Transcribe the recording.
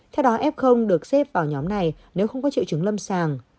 theo đó f được xếp vào nhóm này nếu không có triệu chứng lâm sàng